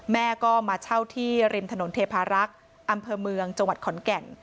แม่ก็มาเช่าที่ริมถนนเทพารักษ์อำเภอเมืองจังหวัดขอนแก่น